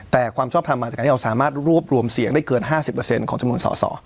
แต่ความชอบทำมาจากการที่เราสามารถรวบรวมเสียงได้เกินห้าสิบเปอร์เซ็นต์ของจำนวนส่อส่อ